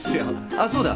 あっそうだ。